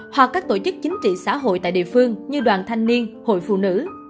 một trăm một mươi một hoặc các tổ chức chính trị xã hội tại địa phương như đoàn thanh niên hội phụ nữ